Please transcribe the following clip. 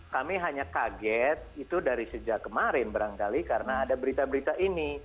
kami hanya kaget itu dari sejak kemarin barangkali karena ada berita berita ini